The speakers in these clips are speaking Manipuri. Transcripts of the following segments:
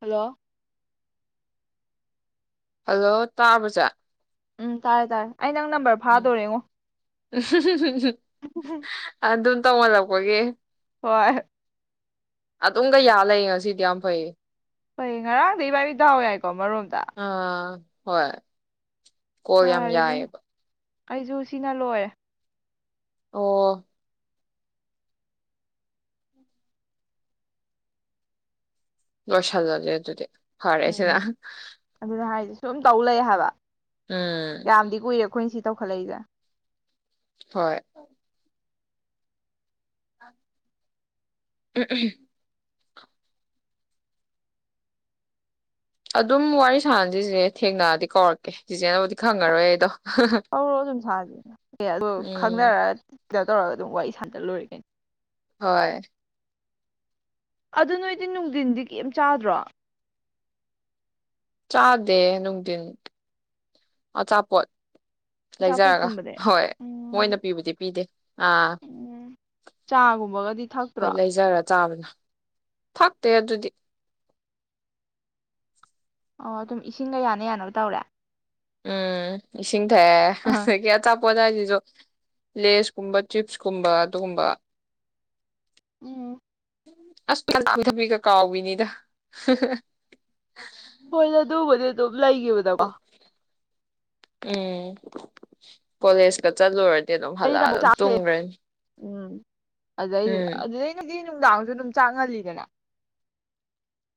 ꯍꯜꯂꯣ ꯍꯜꯂꯣ ꯇꯥꯕꯖꯥ ꯎꯝ ꯇꯥꯔꯦ ꯇꯥꯔꯦ ꯑꯩ ꯅꯪ ꯅꯝꯕꯔ ꯐꯥꯗꯣꯔꯦꯉꯣ ꯎ ꯑꯗꯨ ꯑꯗꯨ ꯇꯉꯂꯄꯦ ꯍꯣꯏ ꯑꯗꯨꯝꯒ ꯌꯥꯜꯂ ꯉꯁꯤꯗꯤ ꯌꯥꯝ ꯐꯩꯌꯦ ꯍꯣꯏ ꯉꯔꯥꯡꯗ ꯏꯕꯥꯏ ꯏ ꯊꯥꯎ ꯌꯥꯏꯀꯣ ꯃꯔꯣꯝꯗ ꯍꯣꯏ ꯀꯣ ꯌꯥꯝ ꯌꯥꯏꯑꯕ ꯑꯩꯁꯨ ꯁꯤꯅ ꯂꯣꯏꯔꯦ ꯑꯣ ꯂꯣꯏꯁꯟꯂꯁꯦ ꯑꯗꯨꯗꯤ ꯐꯔꯦꯁꯤꯗ ꯎꯝ ꯑꯗꯨꯅ ꯍꯥꯏꯁꯦ ꯁꯨꯝ ꯇꯧ ꯂꯩ ꯍꯥꯏꯕ ꯎꯝ ꯌꯥꯝꯗꯤ ꯀꯨꯏꯔꯦ ꯑꯩꯈꯣꯏꯅ ꯁꯤ ꯇꯧꯈꯠꯂꯛꯏꯁꯦ ꯍꯣꯏ [unintelligible] ꯑꯗꯨꯝ ꯋꯥꯔꯤ ꯁꯥꯟꯅꯁꯤꯁꯦ ꯊꯦꯡꯅꯔꯗꯤ ꯀꯧꯔꯛꯀꯦ ꯆꯆꯦꯅꯕꯨꯗꯤ ꯈꯪꯉꯔꯣꯏ ꯑꯩꯗꯣ ꯍꯧꯔꯣ ꯑꯗꯨꯝ ꯁꯥꯁꯦ ꯑꯦ ꯑꯗꯣ ꯎꯝ ꯈꯪꯅꯔꯑꯗꯤ ꯀꯩꯅꯣ ꯇꯧꯔꯒ ꯑꯗꯨꯝ ꯋꯥꯔꯤ ꯁꯥꯟꯇ ꯂꯣꯏꯔꯤꯒꯩꯅꯤ ꯍꯣꯏ ꯑꯗꯨ ꯅꯣꯏꯗꯤ ꯅꯨꯡꯊꯤꯟꯗꯤ ꯀꯔꯤꯝ ꯆꯥꯗ꯭ꯔꯣ ꯆꯥꯗꯦ ꯅꯨꯡꯊꯤꯟ ꯑꯆꯥꯄꯣꯠ ꯂꯩꯖꯔꯒ ꯑꯆꯥꯄꯣꯠꯀꯨꯝꯕꯗꯤ ꯍꯣꯏ ꯎꯝ ꯃꯣꯏꯅ ꯄꯤꯕꯨꯗꯤ ꯄꯤꯗꯦ ꯑꯥ ꯎꯝ ꯆꯥꯒꯨꯝꯕꯒꯗꯤ ꯍꯣꯏ ꯊꯛꯇ꯭ꯔꯣ ꯂꯩꯖꯔ ꯆꯥꯕꯅ ꯐꯇꯦ ꯑꯗꯨꯗꯤ ꯑꯣ ꯑꯗꯨꯝ ꯏꯁꯤꯡꯒ ꯌꯥꯅ ꯌꯥꯅꯕ ꯇꯧꯔꯦ ꯎꯝ ꯏ ꯑ ꯆ ꯄꯏꯁꯤꯁꯨ ꯂꯦꯁꯀꯨꯝꯕ ꯆꯤꯞꯁꯀꯨꯝꯕ ꯑꯗꯨꯒꯨꯝꯕ ꯎꯝ ꯑꯁꯊꯕꯤ ꯀ ꯀꯥꯎꯕꯤꯅꯤꯗ ꯍꯣꯏ ꯑꯗꯨ ꯃꯗꯤ ꯂꯏꯒꯕꯗ ꯀ ꯎꯝ ꯀꯣꯂꯦꯖ ꯀ ꯆꯂꯨ ꯑꯗꯨꯝ ꯑꯩꯅ ꯍꯜꯂꯛꯑ ꯑꯃꯨꯛ ꯑꯗꯨꯝ ꯇꯨꯝꯈ꯭ꯔꯦ ꯑꯗ ꯑꯗꯨꯗꯤ ꯅꯨꯡꯗꯥꯡꯁꯨ ꯑꯗꯨꯝ ꯆꯥꯡꯍꯜꯂꯤꯗꯅ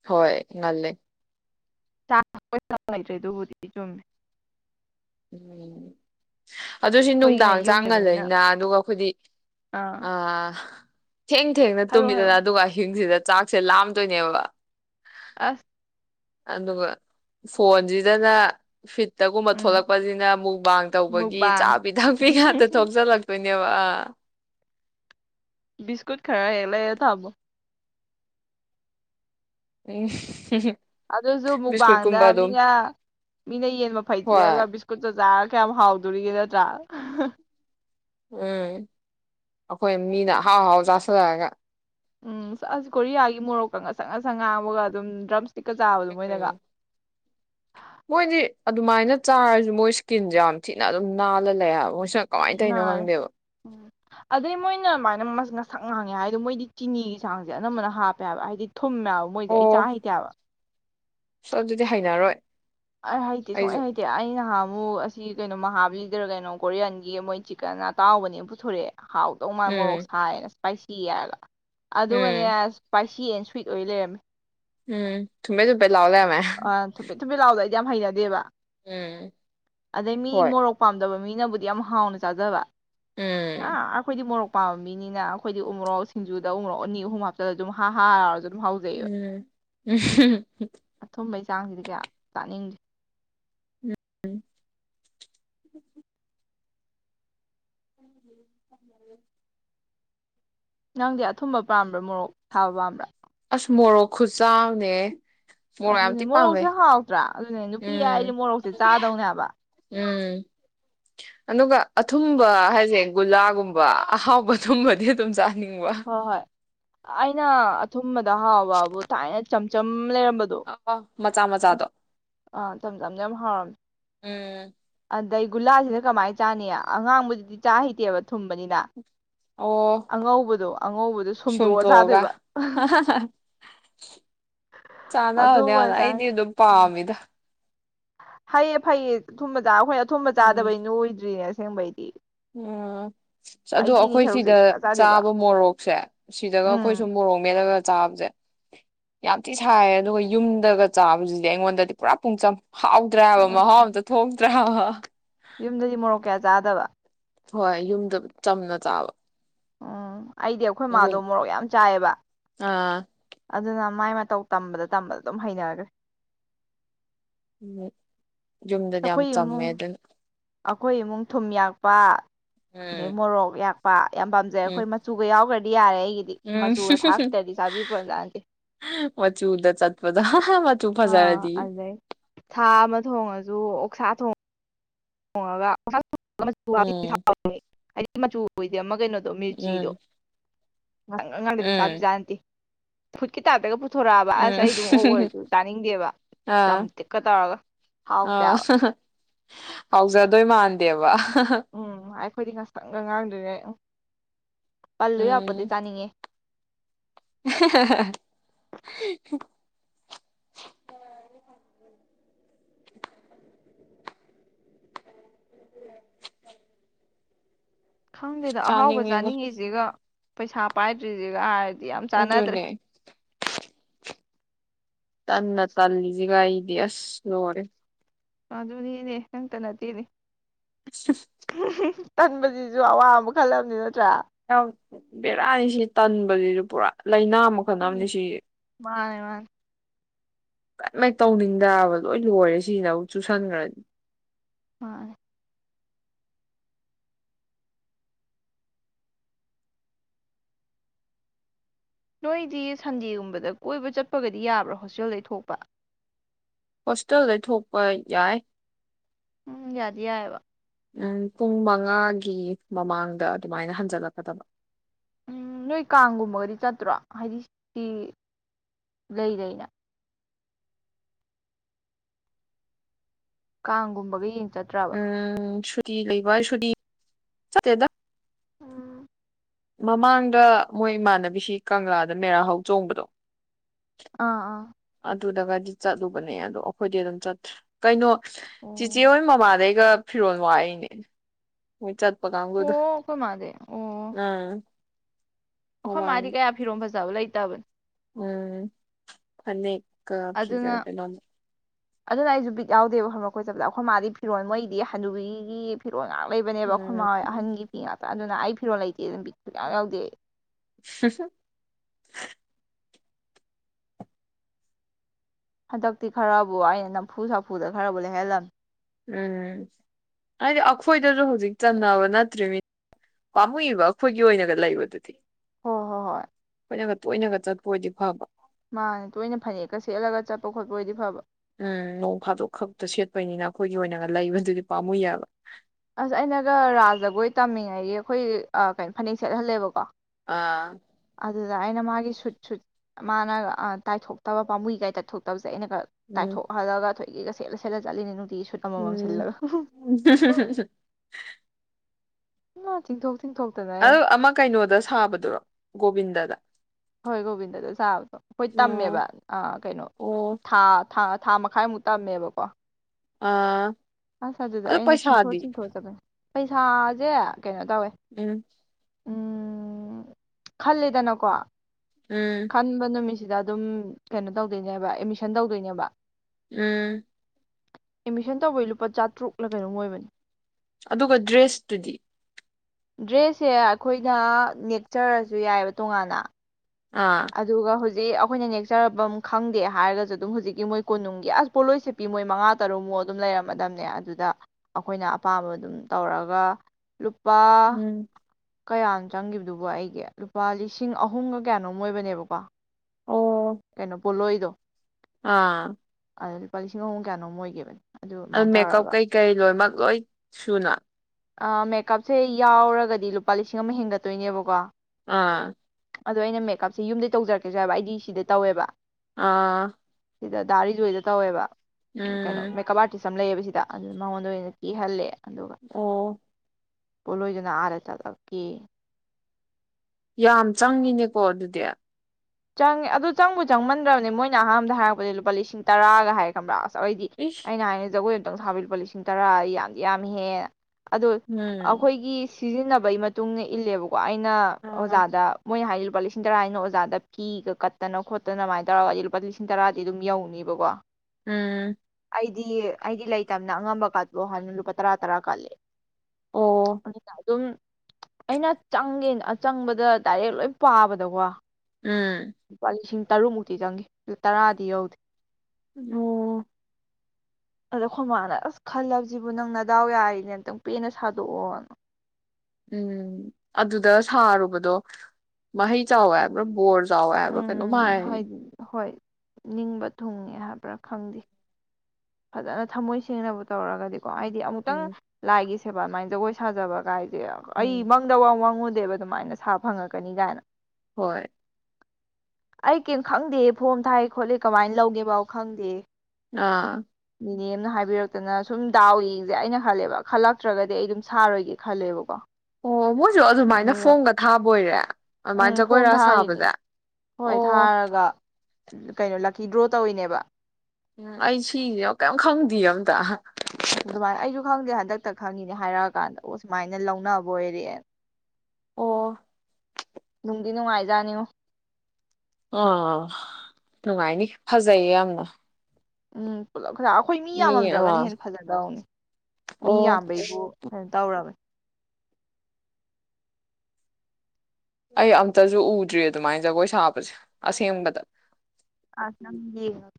ꯍꯣꯏ ꯉꯜꯂꯦ ꯂꯩꯇ꯭ꯔꯦ ꯑꯗꯨꯕꯨꯗꯤ ꯆꯨꯝꯃꯦ ꯎꯝ ꯑꯗꯨꯁꯨ ꯑꯩꯈꯣꯏꯒꯤꯅ ꯅꯨꯡꯗꯥꯡ ꯌꯨꯝ ꯆꯥꯡꯒ ꯑꯣꯏꯕꯅꯤꯅ ꯉꯜꯂꯅꯤ ꯑꯗꯨꯒ ꯑꯩꯈꯣꯏꯗꯤ ꯑꯥ ꯑ ꯊꯦꯡ ꯊꯦꯡꯅ ꯍꯥꯏꯔꯛꯑꯣ ꯇꯨꯝꯃꯤꯗꯅ ꯍꯥꯏꯔꯛꯑꯣ ꯑꯗꯨꯒ ꯑꯍꯤꯡꯁꯤꯗ ꯆꯥꯛꯁꯦ ꯂꯝꯗꯏꯅꯦꯑꯕ ꯑꯁ ꯑꯗꯨꯒ ꯐꯣꯟꯁꯤꯗꯅ ꯐꯤꯠꯇꯒꯨꯝꯕ ꯎꯝ ꯊꯣꯛꯣꯂꯛꯄꯁꯤꯅ ꯃꯨꯛꯕꯥꯡ ꯇꯧꯕꯒꯤ ꯃꯨꯛꯕꯥꯡ ꯆꯥꯕꯤ ꯊꯛꯄꯤ ꯉꯥꯛꯇ ꯊꯣꯛꯆꯜꯂꯛꯇꯣꯏꯅꯤ [unintelligible] ꯕ ꯕꯤꯁꯀꯨꯠ ꯈꯔ ꯍꯒꯂꯦꯔꯥ ꯊꯝꯃꯣ ꯎ ꯑꯗꯨꯁꯨ ꯃꯨꯛꯕꯥꯡꯗ ꯃꯤꯅ ꯃꯤꯅ ꯌꯦꯟ ꯃꯥꯍꯩ ꯆꯤꯛꯑꯒꯥ ꯍꯣꯏ ꯕꯤꯁꯀꯨꯠ ꯆꯥꯔ ꯀꯌꯥꯝ ꯍꯥꯎꯗꯣꯔꯤꯒꯦ ꯅꯠꯇ꯭ꯔꯥ ꯎꯝ ꯑꯩꯈꯣꯏ ꯃꯤꯅ ꯑꯍꯥꯎꯍꯥꯎ ꯆꯥꯁꯤꯔꯑꯒ ꯎꯝ ꯑꯁ ꯀꯣꯔꯤꯌꯥꯒꯤ ꯃꯣꯔꯣꯛꯇ ꯉꯁꯪ ꯉꯁꯪ ꯉꯥꯡꯕꯒ ꯑꯗꯨꯝ ꯗ꯭ꯔꯝꯁ ꯇꯤꯛꯀꯥ ꯆꯥꯕꯗꯣ ꯃꯣꯏꯅꯒ ꯎꯝ ꯃꯣꯏꯗꯤ ꯑꯗꯨꯃꯥꯏꯅ ꯆꯥꯔꯁꯨ ꯃꯣꯏ ꯏꯁꯀꯤꯟꯁꯦ ꯌꯥꯝ ꯊꯤꯅ ꯑꯗꯨꯝ ꯅꯥꯜꯂ ꯂꯩ ꯍꯥꯏꯕ ꯃꯣꯏ ꯀꯃꯥꯏꯅ ꯇꯧꯔꯤꯅꯣ ꯉꯥꯜꯂꯦ ꯈꯪꯗꯦꯕ ꯎꯝ ꯑꯗꯩ ꯃꯣꯏꯅ ꯑꯗꯨꯃꯥꯏꯅ ꯉꯁꯛ ꯉꯥꯡꯉꯦ ꯍꯥꯏꯗꯣ ꯃꯣꯏꯗꯤ ꯆꯤꯅꯤꯒꯤ ꯆꯥꯡꯁꯦ ꯑꯅꯝꯕꯅ ꯍꯥꯞꯄꯦ ꯍꯥꯏꯕ ꯍꯥꯏꯗꯤ ꯊꯨꯝꯃꯦꯕ ꯃꯣꯏꯁꯦ ꯑꯩ ꯆꯥ ꯍꯩꯇꯦꯕ ꯆꯣ ꯑꯗꯨꯗꯤ ꯍꯩꯏꯅꯔꯣꯏ ꯑꯩ ꯍꯩꯇꯦ ꯁꯨꯡ ꯍꯩ ꯍꯩꯇꯦ ꯑꯩꯅ ꯍ ꯑꯃꯛ ꯑꯁꯤ ꯀꯩꯅꯣ ꯃꯍꯥꯕꯤꯂꯤꯗꯔ ꯀꯩꯅꯣ ꯀꯣꯔꯤꯌꯥꯟꯒꯤ ꯃꯣꯏ ꯆꯤꯛꯀꯟ ꯑꯇꯥꯎꯕꯅꯦꯅ ꯄꯨꯊꯣꯔꯛꯑꯦ ꯍꯥꯎꯗꯧ ꯃꯥꯥꯏ ꯃꯣꯔꯣꯛ ꯎꯝ ꯁꯥꯏꯅ ꯄꯩꯁꯤ ꯌꯥꯒ ꯑꯗꯨꯒꯅꯦ ꯎꯝ ꯄꯩꯁ ꯁꯤ ꯌꯦꯟ ꯁ꯭ꯋꯤꯠ ꯑꯣꯏꯅ ꯂꯩꯔꯝꯃꯤ ꯎꯝ ꯊꯨꯝꯃꯦ ꯊꯨꯝꯄꯦꯇ ꯑ ꯊꯨꯝꯄꯦꯠ ꯊꯨꯝꯄꯦꯠ ꯂꯥꯎꯕꯗꯣ ꯑꯩ ꯌꯥꯝ ꯍꯩꯏꯅ ꯗꯦꯕꯥ ꯎꯝ ꯑꯗꯩ ꯃꯤ ꯍꯣꯏ ꯃꯣꯔꯣꯛ ꯄꯥꯝꯗꯕ ꯃꯤ ꯑꯩꯅꯕꯨꯗꯤ ꯌꯥꯝ ꯍꯥꯎꯅ ꯆꯥꯖꯕ ꯑ ꯎꯝ ꯑꯩꯈꯣꯏꯗꯤ ꯃꯣꯔꯛ ꯄꯥꯝꯕ ꯃꯤꯅꯤꯅ ꯑꯩꯈꯣꯏꯗꯤ ꯎꯃꯨꯔꯣꯛ ꯁꯤꯡꯖꯨꯗ ꯎꯃꯔꯣꯛ ꯑꯅꯤ ꯑꯍꯨꯝ ꯍꯥꯞꯆꯤꯜꯂ ꯑꯗꯨꯝ ꯍꯥ ꯍꯥ ꯂꯧꯔꯥꯖꯨ ꯎꯝ ꯇꯥꯡꯖꯤꯗꯤ ꯀꯌꯥ ꯆꯥꯅꯤꯡꯗꯦ ꯎꯦ [unintelligible] ꯅꯪꯗꯤ ꯑꯊꯨꯝꯕ ꯄꯥꯝꯕ꯭ꯔꯥ ꯃꯣꯔꯣꯛ ꯁꯥꯕ ꯄꯥꯝꯕ꯭ꯔꯥ ꯑꯁ ꯃꯣꯔꯣꯛ ꯈꯨꯆꯥꯎꯅꯦ꯫ ꯑꯗꯨꯅꯦ ꯃꯣꯔꯣꯛꯁꯦ ꯍꯥꯎꯇ꯭ꯔꯥ ꯑꯗꯨꯅꯦ ꯅꯨꯄꯤ ꯌꯥꯗꯤ ꯎꯝ ꯃꯣꯔꯣꯛꯁꯦ ꯆꯥꯗꯧꯅꯦ ꯍꯥꯏꯕ꯫ ꯎꯝ ꯑꯗꯨꯒ ꯑꯊꯨꯝꯕ ꯍꯥꯏꯁꯦ ꯒꯨꯂꯥꯒꯨꯝꯕ ꯑꯍꯥꯎꯕꯊꯨꯝꯕꯗꯤ ꯑꯗꯨꯝ ꯆꯥ ꯅꯤꯡꯕ ꯍꯣꯏ ꯍꯣꯏ ꯑꯩꯅ ꯑꯊꯨꯝꯕꯗ ꯍꯥꯎꯕꯕꯨ ꯊꯥꯏꯅ ꯆꯝꯆꯝ ꯂꯩꯔꯝ ꯝꯕꯗꯣ ꯑꯥ ꯃꯆꯥ ꯃꯆꯥꯗꯣ ꯑꯥ ꯆꯝ ꯆꯝꯅ ꯌꯥꯝ ꯍꯥꯎꯔꯝꯃꯦ꯫ ꯎꯝ ꯑꯗꯩ ꯒꯨꯂꯥꯁꯤꯗꯅ ꯀꯃꯥꯏꯅ ꯆꯥꯅꯤꯌꯦ ꯑꯉꯥꯡꯕꯗꯨꯗꯤ ꯆꯥ ꯍꯩꯇꯦꯕ ꯊꯨꯝꯕꯅꯤꯅ꯫ ꯑꯣ ꯑꯉꯧꯕꯗꯣ ꯑꯉꯧꯕꯗꯣ ꯁꯨꯝꯗꯣꯛꯑ ꯁꯨꯝꯇꯣꯛꯑꯒ ꯆꯥꯗꯣꯏꯕ ꯆꯥꯅꯕꯅ ꯑꯗꯨꯒ ꯌꯥꯝꯦꯅ ꯑꯩꯗꯤ ꯑꯗꯨꯝ ꯄꯥꯝꯃꯤꯗ꯫ ꯐꯩꯌꯦ-ꯐꯩꯌꯦ ꯑꯊꯨꯝꯕ ꯆꯥ ꯍꫭꯏꯅ ꯑꯊꯨꯝꯕ ꯎꯝ ꯆꯥꯗꯕꯩꯩꯅꯣ ꯑꯣꯏꯗ꯭ꯔꯤꯅꯦ꯫ ꯁꯦꯡꯕꯩꯗꯤ ꯎꯝ ꯑꯗꯣ ꯑꯩꯈꯣꯏ ꯁꯔꯨꯛꯁꯦ ꯁꯤꯗ ꯁꯨꯡꯆꯥ ꯆꯥꯗꯦꯕ ꯆꯥꯕ ꯃꯣꯔꯣꯛꯁꯦ ꯁꯤꯗꯒ ꯎꯝ ꯑꯩꯈꯣꯏ ꯁꯨꯝ ꯃꯣꯔꯣꯛ ꯃꯦꯠꯂꯒ ꯆꯥꯕꯁꯦ ꯌꯥꯝ ꯊꯤ ꯁꯥꯏꯌꯦ ꯑꯗꯨꯒ ꯌꯨꯝꯗꯒ ꯆꯥꯕꯁꯤꯗꯤ ꯑꯩꯉꯣꯟꯗꯗꯤ ꯄꯨꯔꯥ ꯄꯨꯡꯆꯝ꯫ ꯍꯥꯎꯗ꯭ꯔꯦꯕ ꯎꯝ ꯃꯍꯥꯎ ꯑꯝꯇ ꯊꯣꯛꯇ꯭ꯔꯦ ꯍꯥꯏꯕ꯫ ꯑ ꯌꯨꯝꯗꯗꯤ ꯃꯣꯔꯣꯛ ꯀꯌꯥ ꯆꯥꯗꯕ꯫ ꯍꯣꯏ ꯌꯨꯝꯗ ꯆꯝꯅ ꯆꯥꯕ꯫ ꯎꯝ ꯑꯩꯗꯤ ꯑꯩꯈꯣꯏ ꯃꯥꯗꯣ ꯑꯗꯨꯅꯤ ꯃꯣꯔꯣꯛ ꯌꯥꯝ ꯆꯥꯏꯌꯦꯕ꯫ ꯑꯥ ꯑꯗꯨꯅ ꯃꯥꯏ ꯃꯇꯧ ꯇꯝꯕꯗ-ꯇꯝꯕꯗ ꯑꯗꯨꯝ ꯍꯩꯅꯔꯒ꯭ꯔꯦ꯫ ꯎꯝ ꯌꯨꯝꯗꯗꯤ ꯌꯥꯝ ꯆꯝꯃꯦ ꯑꯗꯨꯅ꯫ ꯑꯈꯣꯏ ꯏꯃꯨꯡ ꯊꯨꯝ ꯌꯥꯛꯄ ꯗꯩ ꯎꯝ ꯃꯣꯔꯣꯛ ꯌꯥꯛ ꯄꯥ ꯌꯥꯝ ꯄꯥꯝꯖꯩ ꯎꯝ ꯑꯩꯈꯣꯏ ꯃꯆꯨꯒ ꯌꯥꯎꯈ꯭ꯔ ꯌꯥꯔꯦ ꯒꯤꯗꯤ ꯎꯝ ꯃꯆꯨꯒ ꯊꯥꯛꯇꯗꯤ ꯆꯥꯕꯤꯄꫭꯟ ꯖꯥꯠ ꯅꯠꯇꯦ ꯃꯆꯨꯗ ꯆꯠꯄꯗꯣ ꯃꯆꯨ ꯑ ꯐꯖꯔꯗꯤ ꯑꯗꯨꯗꯩ ꯊꯥ ꯑꯃ ꯊꫭꯡꯑ ꯑꯗꫭ ꯑꫭꯛꯁꯥ ꯊꫭꯡ ꯊꫭꯡꯑꯒ ꯎꯝ [unintelligible] ꯑꯗꯤꯃꯆꯨ ꯑꯣꯏꯗꯦ ꯑꯃ ꯀꯩꯅꯣꯗꯣ ꯎꯝ ꯃꯤꯔꯆꯤꯗꯣ ꯎꯝ [unintelligible] ꯐꯨꯠꯀꯤ ꯇꯥꯏꯞꯇꯒ ꯄꯨ ꯊꯣꯔꯛꯑꯕ ꯑꯁ ꯑꯩ ꯑꯗꯨꯝ ꯑꯣꯛ ꯎꯝ ꯑꯣꯏꯔꯁꯨ ꯇꯥꯅꯤꯡꯗꯦꯕ ꯆꯝ ꯑꯥ ꯇꯦꯛꯀ ꯇꯧꯔꯒ ꯑꯥ ꯍꯥꯎꯇꯦꯕ ꯍꯥꯎꯖꯗꯣꯏ ꯃꯥꯟꯗꯦꯕ ꯎꯝ ꯑꯩꯈꯣꯏꯗꯤ ꯉꯇꯪꯒ ꯉꯥꯡꯗꯣꯏꯅꯦ ꯎꯝ ꯄꯜꯂꯣ ꯌꯥꯛꯄꯣꯗꯤ ꯎꯝ ꯆꯥꯅꯤꯡꯉꯦ [unintelligible] ꯈꯪꯗꯦꯗ ꯑꯍꯥꯎꯕ ꯆꯥꯅꯤꯡꯉꯦꯗ ꯆꯥꯅꯤꯡꯉꯤꯁꯤꯒ ꯄꯩꯁꯥ ꯄꯥꯏꯗ꯭ꯔꯤꯁꯤꯒ ꯗꯤ ꯌꯥꯝ ꯆꯥꯟꯅꯗ꯭ꯔꯦ ꯑꯗꯨꯅꯦ ꯇꯟꯅ ꯇꯜꯂꯤꯁꯤꯒꯒꯥ ꯑꯩꯗꯤ ꯑꯁ ꯂꯣꯏꯔꯦ ꯑꯗꯨꯅꯦꯅꯦ ꯅꯪꯇ ꯅꯠꯇꯦꯅꯦ [inaudible] ꯇꯟꯕꯁꯤꯁꯨ ꯑꯋꯥꯕ ꯈꯜꯂꯕꯅꯤꯅ ꯌꯥ ꯕꯦꯔꯥꯅꯤꯁꯤ ꯇꯟꯕꯒꯤꯗ ꯄꯨꯔꯥ ꯂꯥꯏꯅꯥ ꯃꯈꯜ ꯑꯃꯅꯤ ꯁꯤ ꯑ ꯀꯩ ꯃꯩ ꯇꯧꯅꯤꯡꯗꯕ ꯂꯣꯏ ꯂꯣꯏꯔꯦ ꯁꯤꯅ ꯑꯃꯨꯛ ꯆꯨꯁꯟꯈ꯭ꯔꯗꯤ ꯍꯣꯏ ꯅꯣꯏꯗꯤ ꯁꯟꯗꯦꯒꯨꯝꯕꯗ ꯀꯣꯏꯕ ꯆꯠꯄꯒꯗꯤ ꯌꯥꯕ꯭ꯔꯥ ꯍꯣꯁꯇꯦꯜꯗꯩ ꯊꯣꯛꯄ ꯍꯣꯁꯇꯦꯜꯗꯩ ꯊꯣꯛꯄ ꯌꯥꯏ ꯎꯝ ꯌꯥꯗꯤꯌꯥꯕ ꯄꯨꯡ ꯃꯉꯥꯒꯤ ꯃꯃꯥꯡꯗ ꯑꯗꯨꯃꯥꯏꯅ ꯍꯟꯖꯜꯂꯛꯀꯗꯕ ꯎꯝ ꯅꯣꯏ ꯀꯥꯡꯒꯨꯝꯕꯒꯗꯤ ꯆꯠꯇ꯭ꯔꯣ ꯍꯥꯏꯗꯤ ꯁꯤ ꯂꯩ ꯂꯩꯅ ꯀꯥꯒꯨꯝꯕꯒ ꯌꯦ ꯆꯠꯇ꯭ꯔꯕ ꯀ ꯂꯩ ꯋꯥꯨꯗ ꯎꯝ ꯃꯃꯥꯡꯗ ꯃꯣꯏ ꯏꯃꯥꯟꯅꯕꯤꯁꯤ ꯀꯪꯂꯥꯗ ꯃꯦꯔꯥ ꯍꯧ ꯆꯣꯡꯕꯗꯣ ꯑꯥ ꯑꯥ ꯑꯗꯨꯗꯒꯗꯤ ꯆꯠꯂꯨꯕꯅꯦ ꯑꯗꯣ ꯑꯩꯈꯣꯏꯗꯤ ꯑꯗꯨꯝ ꯆꯠꯇ꯭ꯔꯦ ꯀꯩꯅꯣ ꯆꯤꯆꯦ ꯑꯣ ꯍꫭꯏ ꯃꯥꯃꯥꯗꯩ ꯒ ꯐꯤꯔꯣꯜ ꯋꯥꯏꯅꯦ ꯃꯣꯏ ꯆꯠ ꯑꯣ ꯑꯩꯈꯣꯏ ꯃꯥꯗꯩ ꯑꯣ ꯑꯥ ꯑꯈꫭꯏ ꯃꯥꯗꯤ ꯃꯃꯥꯡꯗ ꯀꯌꯥ ꯐꯤꯔꫭꯟ ꯐꯖꯕ ꯂꯩꯇꯕꯅꯦ ꯎꯝ ꯐꯅꯦꯛ ꯀꯥ ꯑꯗꯨꯅ ꯃꯤꯒꯔ ꯀꯩꯅꫭꯝ ꯑꯗꯨꯅ ꯑꯩꯁꯨ ꯕꯤꯛ ꯌꯥꯎꯗꯦꯕ ꯈꯪꯉꯕ ꯀꫭꯏ ꯆꯟꯄꯥꯗ ꯑꯩꯈꯣꯏ ꯃꯥꯗꯤ ꯐꯤꯔꯣꯟꯜ ꯃꯣꯏꯗꯤꯗꯤ ꯍꯅꯨꯕꯤꯒꯤ ꯂꯣꯟ ꯉꯥꯛ ꯂꯩꯕꯅꯦꯕ ꯑꯩꯈꯣꯏ ꯃꯥ ꯎꯝ ꯍꯣꯏ ꯑꯍꯟꯒꯤ ꯄꯤ ꯉꯥꯛꯇ ꯑꯗꯨ ꯥꯑꯩ ꯐꯤꯔꯣꯜ ꯂꯩꯇꯦ ꯕꯤꯟ ꯌꯥꯝ ꯌꯥꯎꯗꯦ [unintelligible] ꯍꯟꯗꯛꯇꯤ ꯈꯔꯕꯨ ꯑꯩꯅ ꯅꯝꯐꯨ ꯁꯥꯐꯨꯗ ꯈꯔꯕꯨ ꯂꯩꯍꯜꯂꯝꯃꯤ ꯎꯝ ꯍꯥꯏꯗꯤ ꯑꯩꯈꯣꯏꯗꯁꯨ ꯍꯧꯖꯤꯛ ꯆꯅꯕ ꯅꯠꯇ꯭ꯔꯤꯅꯤꯅ ꯄꯝꯃꯨꯏꯕ ꯑꯩꯈꯣꯏꯒꯤ ꯑꯣꯏꯅꯒ ꯂꯩꯕꯗꯨꯗꯤ ꯍꯣꯍꯣ ꯍꯣꯏ ꯑꯩꯅꯒ ꯇꯣꯏꯅꯒ ꯆꯠꯄ ꯑꯣꯏꯗꯤ ꯐꯕ ꯃꯥꯅꯦ ꯇꯣꯏꯅ ꯐꯅꯦꯛꯀ ꯁꯦꯠꯂꯒ ꯆꯠꯄ ꯈꯣꯠꯄ ꯑꯣꯏꯗꯤ ꯐꯕ ꯎꯝ ꯅꯣꯡ ꯐꯥꯗꯣꯛ ꯈꯛꯇ ꯁꯦꯠꯄꯅꯤꯅ ꯑꯩꯈꯣꯏꯒꯤ ꯑꯣꯏꯅꯒ ꯂꯩꯕꯗꯨꯗꯤ ꯄꯥꯝꯃꯨꯏ ꯌꯥꯏꯕ ꯑꯁ ꯑꯩꯅꯒ ꯔꯥꯖꯒꯣꯏ ꯇꯝꯃꯤꯉꯩꯒꯤ ꯑꯩꯈꯣꯏ ꯀꯩꯅꯣ ꯐꯅꯦꯛ ꯁꯦꯠꯍꯜꯂꯦꯕꯀꯣ ꯑꯥ ꯑꯗꯨꯗ ꯑꯩꯅ ꯃꯥꯒꯤ ꯁꯨꯠ ꯁꯨꯠ ꯃꯥꯅ ꯇꯥꯏꯊꯣꯛꯇꯕ ꯄꯥꯝꯕꯨꯒꯥꯏ ꯇꯥꯏꯊꯣꯛꯇꯕ ꯁꯦ ꯑꯩꯒ ꯎꯝ ꯇꯥꯏꯊꯣꯛꯍꯜꯂꯒ ꯂꯒ ꯁꯦꯠꯂ ꯁꯦꯠꯂ ꯆꯠꯂꯤꯅꯤ ꯎꯝ [unintelligible] ꯑꯩꯅ ꯑꯗꯨ ꯑꯃ ꯀꯩꯅꯣꯗ ꯁꯥꯕꯗꯨꯔꯣ ꯒꯣꯕꯤꯟꯗꯗ ꯍꯣꯏ ꯒꯣꯕꯤꯟꯗꯗ ꯁꯥꯕꯗꯣ ꯑꯩꯈꯣꯏ ꯑꯣ ꯇꯝꯃꯦꯕ ꯀꯩꯅꯣ ꯑꯣ ꯊꯥ ꯊꯥ ꯊꯥ ꯃꯈꯥꯏꯃꯨꯛ ꯇꯝꯃꯦꯕꯀꯣ ꯑꯥ ꯑꯁ ꯑꯗꯨꯗ ꯑꯗꯨ ꯑꯩꯅ ꯆꯤꯟꯊꯣꯔ ꯄꯩꯁꯥꯗꯤ ꯆꯤꯟꯊꯣꯔꯑꯆꯕ ꯄꯩꯁꯥꯁꯦ ꯀꯩꯅꯣ ꯇꯧꯋꯦ ꯎꯝ ꯎꯝ ꯈꯜꯂꯦꯗꯅꯀꯣ ꯎꯝ ꯈꯟꯕꯅꯃꯤꯠ ꯁꯤꯗ ꯑꯗꯨꯝ ꯀꯩꯅꯣ ꯇꯧꯗꯣꯏꯅꯦꯕ ꯑꯦꯠꯃꯤꯁꯟ ꯇꯧꯗꯣꯏꯅꯦꯕ ꯎꯝ ꯑꯦꯠꯃꯤꯁꯟ ꯇꯧꯕꯩ ꯂꯨꯄꯥ ꯆꯥꯇ꯭ꯔꯨꯛꯂ ꯀꯩꯅꯣꯝ ꯑꯣꯏꯕꯅꯤ ꯑꯗꯨꯒ ꯗ꯭ꯔꯦꯁꯇꯨꯗꯤ ꯗ꯭ꯔꯦꯁꯁꯦ ꯑꯩꯈꯣꯏꯅ ꯅꯦꯛꯆꯔꯁꯨ ꯌꯥꯏꯑꯕ ꯇꯣꯉꯥꯟꯅ ꯑꯥ ꯑꯗꯨꯒ ꯍ ꯍꯧꯖꯤꯛ ꯑꯩꯈꯣꯏꯅ ꯅꯦꯛꯆꯐꯝ ꯈꯪꯗꯦ ꯍꯥꯏꯔꯒꯁꯨ ꯑꯗꯨꯝ ꯍꯧꯖꯤꯛꯀꯤ ꯃꯣꯏ ꯀꯣꯅꯨꯡꯒꯤ ꯑꯁ ꯄꯣꯂꯣꯏꯁꯤꯦꯞꯄꯤ ꯃꯣꯏ ꯃꯉꯥ ꯇꯔꯨꯛꯃꯨꯛ ꯑꯗꯨꯝ ꯂꯩꯔꯝꯃꯗꯕꯅꯦ ꯑꯗꯨꯗ ꯑꯩꯈꯣꯏꯅ ꯑꯄꯥꯝꯕ ꯑꯗꯨꯝ ꯇꯧꯔꯒ ꯋꯥ ꯎꯝ ꯀꯌꯥꯅ ꯆꯪꯈꯤꯕꯗꯨꯕ ꯑꯩꯒꯤ ꯂꯨꯄꯥ ꯂꯤꯁꯤꯡ ꯑꯍꯨꯝꯒ ꯀꯌꯥꯅꯣꯝ ꯑꯣꯏꯕꯅꯦꯕꯀꯣ ꯑꯣ ꯀꯩꯅꯣ ꯄꯣꯂꯣꯏꯗꯣ ꯑꯥ ꯑꯗꯣ ꯂꯨꯄꯥ ꯂꯤꯁꯤꯡ ꯑꯍꯨꯝ ꯀꯌꯥꯅꯣꯝ ꯑꯣꯏꯒꯕꯅꯤ ꯑꯗꯨ ꯃꯦꯀꯞ ꯀꯩꯀꯩ ꯂꯣꯏꯅꯃꯛ ꯂꯣꯏ ꯁꯨꯅ ꯃꯦꯀꯞꯁꯦ ꯌꯥꯎꯔꯒꯗꯤ ꯂꯨꯄꯥ ꯂꯤꯁꯤꯡ ꯑꯃ ꯍꯦꯟꯒꯠꯇꯣꯏꯅꯦꯕꯀꯣ ꯑꯥ ꯑꯗꯣ ꯑꯩꯅ ꯃꯦꯀꯞꯁꯦ ꯌꯨꯝꯗꯩ ꯇꯧꯖꯔꯛꯀꯦꯁꯨ ꯍꯥꯏꯕ ꯑꯩꯗꯤ ꯁꯤꯗ ꯇꯧꯋꯦꯕ ꯑꯥ ꯁꯤꯗ ꯗꯥꯔꯤꯗꯨꯣꯏꯗ ꯇꯧꯋꯦꯕ ꯀꯩꯅꯣ ꯎꯝ ꯃꯦꯀꯞꯔꯤꯁ ꯁꯝ ꯂꯩꯌꯦꯕꯁꯤꯗ ꯑꯗꯨꯅ ꯃꯉꯣꯟꯗ ꯑꯣꯏꯅ ꯀꯤꯍꯜꯂꯦ ꯑꯣ ꯄꯣꯂꯣꯣꯏꯅꯥꯔꯦ ꯆ ꯀꯦ ꯌꯥꯝ ꯆꯪꯉꯤꯅꯦꯀꯣ ꯑꯗꯨꯗꯤ ꯆꯪꯉꯦ ꯑꯗꯨ ꯆꯪꯕꯨ ꯆꯪꯃꯟꯗ꯭ꯔꯕꯅꯤ ꯃꯣꯏꯅ ꯑꯍꯥꯟꯕꯗ ꯍꯥꯏꯔꯛꯄꯗꯤ ꯂꯨꯄꯥ ꯂꯤꯁꯤꯡ ꯇꯔꯥꯒ ꯍꯥꯏꯕ꯭ꯔꯥ ꯑꯁ ꯑꯣꯏꯗꯤ ꯏꯁ ꯑꯩꯅ ꯍꯥꯏ ꯖꯒꯣꯏ ꯈꯤꯇꯪ ꯁꯥꯕꯤ ꯂꯨꯄꯥ ꯂꯤꯁꯤꯡ ꯇꯔꯥ ꯌꯥꯝꯗꯤ ꯌꯥꯝꯍꯦ ꯑ ꯎꯝ ꯑꯩꯈꯣꯏꯒꯤ ꯁꯤꯖꯤꯟꯅꯕꯒꯤ ꯃꯇꯨꯡꯟꯅ ꯏꯜꯂꯦꯕ ꯑꯩꯅ ꯑꯥ ꯑꯣꯖꯥꯗ ꯃꯣꯏ ꯍꯥꯏ ꯂꯄꯥ ꯂꯤꯁꯤꯡ ꯇꯔꯥ ꯍꯥꯏꯅꯣ ꯑꯣꯖꯥꯗ ꯐꯤꯒ ꯀꯠꯇꯅ ꯈꯣꯠꯇꯅ ꯑꯗꯨꯃꯥꯏꯅ ꯇꯧꯔꯒ ꯑꯩꯗꯤ ꯂꯨꯄꯥ ꯂꯤꯁꯤꯡ ꯇꯔꯥꯗꯤ ꯑꯗꯨꯝ ꯌꯧꯅꯤꯕꯀꯣ ꯎꯝ ꯑꯩꯗꯤ ꯑꯩꯗꯤ ꯂꯩꯇꯕꯅ ꯑꯉꯝꯕ ꯀꯥꯠꯄꯣ ꯍꯥꯏꯅ ꯂꯨꯄꯥ ꯇꯔꯥ ꯇꯔꯥ ꯀꯥꯠꯂꯦ ꯑꯣ ꯑꯗꯨ ꯑꯗꯨꯝ ꯑꯩꯅ ꯆꯪꯒꯦ ꯆꯪꯕꯗ ꯗꯥꯏꯔꯦꯛ ꯂꯣꯏ ꯄꯥꯕꯗꯀꯣ ꯎꯝ ꯂꯨꯄꯥ ꯂꯤꯁꯤꯡ ꯇꯔꯨꯛꯃꯨꯛꯇꯤ ꯆꯪꯈꯤ ꯇꯔꯥꯗꯤ ꯌꯧꯗꯦ ꯑꯣꯝ ꯑꯗꯣ ꯈꯣꯏ ꯃꯥꯅ ꯑꯁ ꯈꯜꯂꯕꯖꯤꯕꯨ ꯅꯪ ꯅꯗꯥꯎ ꯌꯥꯔꯤꯅꯦ ꯑꯝꯇꯪ ꯄꯦꯟꯅ ꯁꯥꯗꯣꯛꯑꯣꯅ ꯎꯝ ꯑꯗꯨꯗ ꯁꯥꯔꯨꯕꯗꯣ ꯃꯍꯩ ꯆꯥꯎꯋꯦ ꯍꯥꯏꯕ꯭ꯔꯥ ꯕꯣꯔ ꯆꯥꯎꯋꯦ ꯍꯥꯏꯕꯔꯥ ꯀꯩꯅꯣꯝ ꯎꯝ ꯍꯥꯏ ꯍꯥꯏꯗꯤ ꯍꯣꯏ ꯅꯤꯡꯕ ꯊꯨꯡꯉꯦ ꯍꯥꯏꯕ꯭ꯔꯥ ꯈꯪꯗꯦ ꯐꯖꯅ ꯊꯝꯃꯣꯏ ꯁꯦꯡꯅꯕ ꯇꯧꯔꯒꯗꯤ ꯀꯣ ꯑꯩꯗꯤ ꯑꯃꯨꯛꯇꯪ ꯎꯝ ꯂꯥꯏꯒꯤꯁ ꯁꯦꯕꯥ ꯃꯥꯏꯅ ꯖꯒꯣꯏ ꯁꯥꯖꯕꯒꯥꯏ ꯑꯩ ꯎꯝ ꯃꯥꯡꯗ ꯕꯥꯎ ꯃꯥꯡꯉꯨꯗ ꯗꯦꯕ ꯗꯨꯃꯥꯏꯅ ꯁꯥ ꯐꯪꯉꯛꯀꯅꯤ ꯀꯥꯏꯅ ꯍꯣꯏ ꯑꯩ ꯀꯩꯝ ꯈꯪꯗꯦ ꯐꯣꯝ ꯊꯥꯏ ꯈꯣꯠꯂꯤ ꯀꯃꯥꯏꯅ ꯂꯧꯒꯦꯕꯧ ꯈꯪꯗꯦ ꯑꯥ ꯅꯤꯅꯦ ꯑꯝꯅꯥ ꯍꯥꯏꯕꯤꯔꯛꯇꯅ ꯁꯨꯝ ꯗꯥꯎ ꯌꯦꯡꯖꯦ ꯑꯩꯅ ꯈꯜꯂꯦꯕ ꯈꯜꯂꯛꯇ꯭ꯔꯒꯗꯤ ꯑꯩ ꯑꯗꯨꯝ ꯁꯥꯔꯣꯏꯒꯦ ꯈꯜꯂꯦꯕꯀꯣ ꯑꯣ ꯃꯣꯏꯁꯨ ꯑꯗꯨꯃꯥꯏꯅ ꯑꯗꯨꯒ ꯐꯣꯝꯒ ꯊꯥꯕꯣꯏꯔꯦ ꯑꯗꯨꯃꯥꯏꯅ ꯎꯝ ꯐꯣꯝ ꯖꯒꯣꯏꯒ ꯊꯥꯔꯤꯅꯤ ꯁꯥꯕꯖꯦ ꯍꯣꯏ ꯑꯣ ꯊꯥꯔꯒ ꯀꯩꯅꯣ ꯂꯛꯀꯤ ꯗ꯭ꯔꯣ ꯇꯧꯋꯅꯦꯕ ꯎꯝ ꯑꯩ ꯁꯤꯁꯦ ꯀꯩꯝ ꯈꯪꯗꯤꯌꯦ ꯑꯝꯇ ꯑꯁ ꯑꯗꯨꯃꯥꯏꯅ ꯑꯩꯁꯨ ꯈꯪꯗꯦ ꯍꯟꯗꯛꯇꯛ ꯈꯪꯉꯤꯅꯦ ꯍꯥꯏꯔꯛꯑꯀꯥꯟꯗ ꯑꯣ ꯁꯨꯃꯥꯏꯅ ꯂꯧꯅꯕꯣꯏꯔꯦꯅ ꯑꯣ ꯅꯨꯡ ꯗꯤ ꯅꯨꯡꯉꯥꯏꯖꯅꯤꯉꯣ ꯑꯥ ꯅꯨꯡꯉꯥꯏꯅꯤ ꯐꯖꯩꯌꯦ ꯌꯥꯝꯅ ꯎꯝ ꯄꯨꯂꯞ ꯑꯈꯣꯏ ꯃꯤ ꯌꯥꯝꯃꯝꯗ꯭ꯔꯒꯅ ꯍꯦꯟꯅ ꯐꯖꯗꯧꯅꯤ ꯃꯤ ꯑꯣ ꯌꯥꯝꯕꯩꯕꯨ ꯇꯧꯔꯕ ꯑꯩ ꯑꯝꯇꯖꯨ ꯎꯗ꯭ꯔꯤ ꯑꯗꯨꯃꯥꯏ ꯖꯒꯣꯏ ꯁꯥꯕꯖꯦ ꯑꯁꯦꯡꯕꯗ ꯑꯁ ꯅꯪ ꯌꯦꯡꯉ